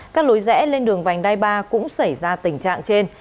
các lối rẽ lên đường vành đai ba cũng xảy ra tình trạng trên